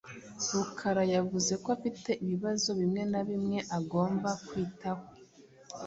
Rukara yavuze ko afite ibibazo bimwe na bimwe agomba kwitaho.